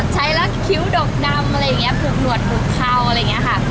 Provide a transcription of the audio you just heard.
ใช้แล้วคิ้วดกดำปลูกหนวดปลูกเข้า